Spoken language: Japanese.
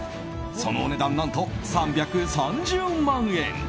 そのお値段、何と３３０万円。